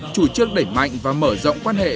chủ trương đẩy mạnh và mở rộng quan hệ